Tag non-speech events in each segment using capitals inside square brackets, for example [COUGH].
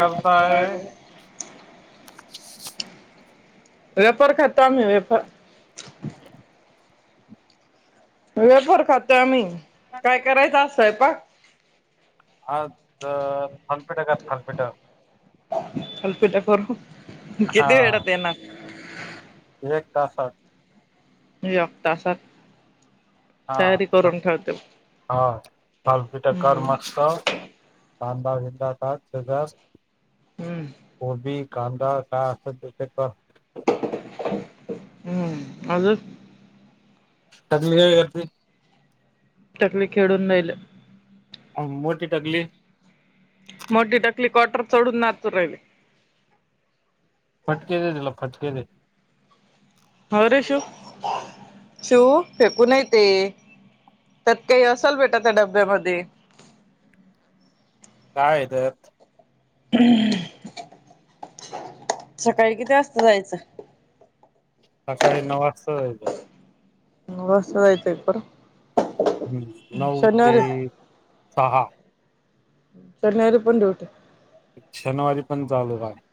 करताय व्यापार करतो आम्ही व्यापार वेळ फार खातो आम्ही काय करायचं असतंय प आ थलपीठ का थलपीठ थालीपीठ करू किती हा. वेळात [INAUDIBLE] एक तासाात एक तासात हा तयारी करून ठेवते ह थालिपीठ कर हम्म मस्त कांदा बिंदा टाक मस्त हम्म [UNINTELLIGIBLE] कोथिंबीर कांदा काय असेल ते तर हम्म आजून [INAUDIBLE] टकली खेळून राहिलं. मोठी टकली मोठी टकली कॉटर चढून नाचून राहिले. फटके ते दिला फटके दे - होय रे शिव शिव फेकू नाही ते त्यात काही असाल भेटा त्या डब्यामध्ये! काय आहे त्यात [UNINTELLIGIBLE] सकाळी किती वाजता जायचं? सकाळी नऊ वाजताच जायचं! नऊ वास्ता जायचं खरं! हम्म नऊ ते सहा शनिवारी पण डूटी - शनिवारी पण चालू राहील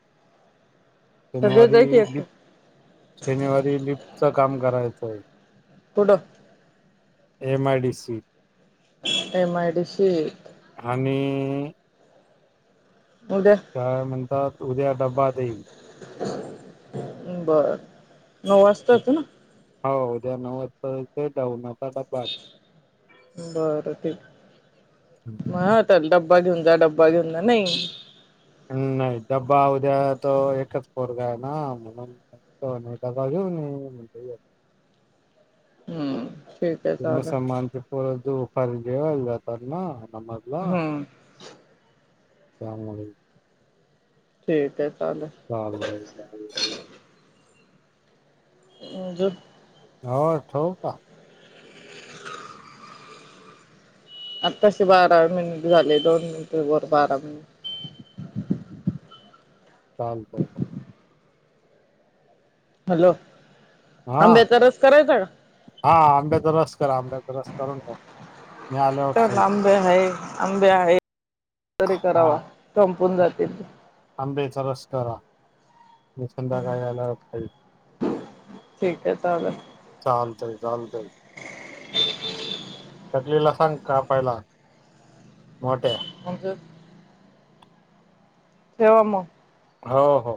सगळे शनिवारी जायची एकटे लिफ्ट शनिवारी लिफ्टच काम करायचं! होय कुठं M I D C MI डीशीत - आणि काय म्हणतात. उद्या डब्बा देईल. बर नऊ वाजता येत ना. हो उद्या नऊ वाजता ते [UNINTELLIGIBLE] बरं ठीक म्हटल डब - डबा घेऊन जा डब्बा घेऊन जा नाही! नाही डब्बा उद्या त एकच पोरग आहे ना, म्हणून म्हणतो डबा घेऊन येऊन म्हणत. हम्म ठीक आहे ते चालेल मुसलमानचे पर दू - पर जेवायला जातात ना! हम्म समजल. [UNINTELLIGIBLE] ठीक आहे. चालेल [UNINTELLIGIBLE] हां जोप. हो ठेऊ का! आ तसे बारा मिनिट झाले दोन मिनिट वर बारा मिनिट - चालतय. हॅलो! हा आंब्याचा रस करायचा का? हा आंबेचा रस करा आंबेचा रस करून खाऊ - छान आंबे आहे आंबे आहे तरी करावा हा संपून जातील. आंब्याचा रस करा मी संध्याकाळी आल्यावर खाईल. ठीक हे चालेल. चालतंय चालतंय. ह. लेला सांग का पायला. आणच ठेवा मग. हो हो.